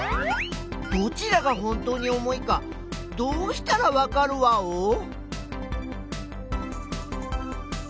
どちらが本当に重いかどうしたらわかるワオ？